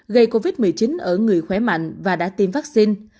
gây covid một mươi chín ở người khỏe mạnh và đã tiêm vaccine